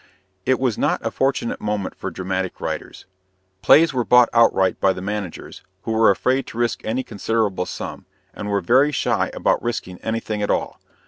It was not a fortunate moment for dramatic writers. Plays were bought outright by the managers, who were afraid to risk any considerable sum, and were very shy about risking anything at all.